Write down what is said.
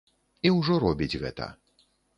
І ўжо робіць гэта.